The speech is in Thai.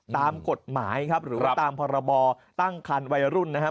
ตามกฎหมายครับหรือว่าตามพรบตั้งคันวัยรุ่นนะครับ